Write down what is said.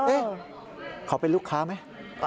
เอ๊ะเขาเป็นลูกค้าไหม